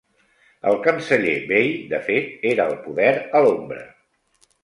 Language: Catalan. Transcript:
El canceller Bay, de fet, era el poder a l'ombra.